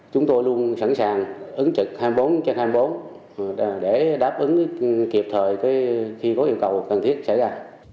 chúng tôi luôn sẵn sàng ứng trực hai mươi bốn trên hai mươi bốn để đáp ứng kịp thời khi có yêu cầu cần thiết xảy ra